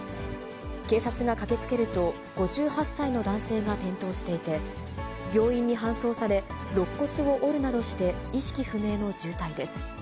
警察が駆けつけると、５８歳の男性が転倒していて、病院に搬送され、ろっ骨を折るなどして意識不明の重体です。